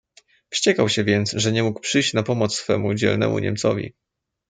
"Wściekał się więc, że nie mógł przyjść na pomoc swemu dzielnemu niemcowi."